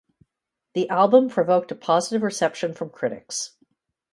The album provoked a positive reception from critics.